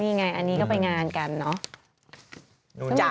นี่ไงอันนี้ก็ไปงานกันเนอะ